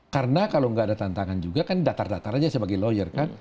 karena kalau nggak ada tantangan juga kan datar datar aja sebagai lawyer kan